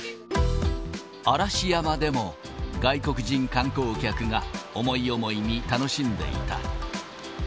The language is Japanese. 嵐山でも、外国人観光客が思い思いに楽しんでいた。